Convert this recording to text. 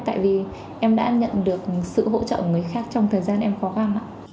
tại vì em đã nhận được sự hỗ trợ của người khác trong thời gian em khó khăn ạ